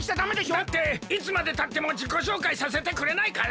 だっていつまでたってもじこしょうかいさせてくれないから。